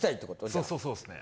そうそうそうっすね。